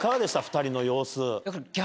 ２人の様子。